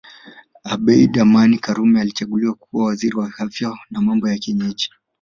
Abeid Amani Karume alichaguliwa kuwa Waziri wa Afya na Mambo ya Kienyeji